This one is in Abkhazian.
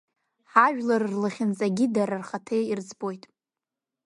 Ҳажәлар рлахьынҵагьы дара рхаҭақәа ирыӡбоит.